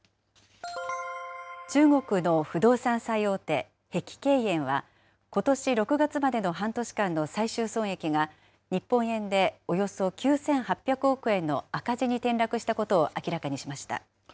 中国の不動産最大手、碧桂園は、ことし６月までの半年間の最終損益が、日本円でおよそ９８００億円の赤字に転落したことを明らかにしました。